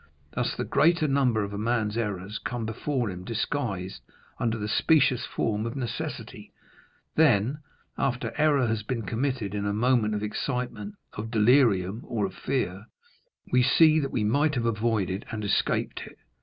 Thus, the greater number of a man's errors come before him disguised under the specious form of necessity; then, after error has been committed in a moment of excitement, of delirium, or of fear, we see that we might have avoided and escaped it.